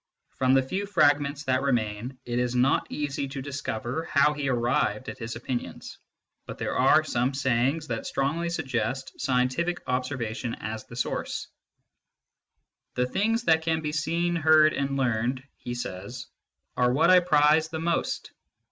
From the few fragments that remain, it is not easy to discover how he arrived at his opinions, but there are some sayings that strongly suggest scientific observation as the source. " The things that can be seen, heard, and learned/ he says, " are what I prize the most."